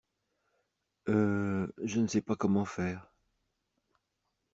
Heu... Je ne sais pas comment faire.